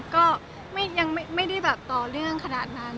ก็ไม่ได้แบบต่อเนื่องขนาดนั้น